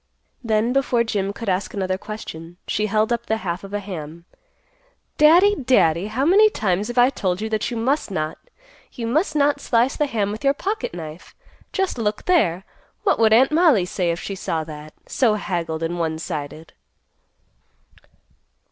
Then, before Jim could ask another question, she held up the half of a ham; "Daddy, Daddy! How many times have I told you that you must not—you must not slice the ham with your pocket knife? Just look there! What would Aunt Mollie say if she saw that, so haggled and one sided?"